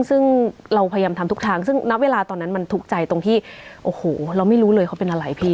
ซึ่งเราพยายามทำทุกทางซึ่งณเวลาตอนนั้นมันทุกข์ใจตรงที่โอ้โหเราไม่รู้เลยเขาเป็นอะไรพี่